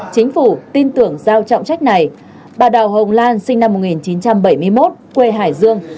sau trọng trách này bà đào hồng lan sinh năm một nghìn chín trăm bảy mươi một quê hải dương